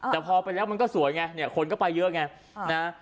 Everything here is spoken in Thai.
แต่พอไปแล้วมันก็สวยไงคนก็ไปเยอะไง